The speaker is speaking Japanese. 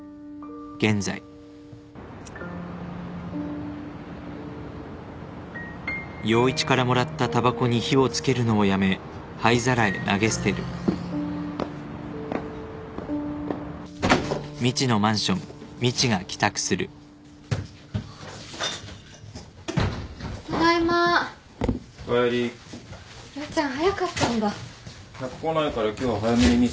客来ないから今日は早めに店じまい。